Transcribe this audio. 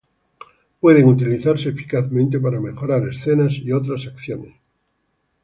Pueden utilizarse eficazmente para mejorar escenas y otras acciones.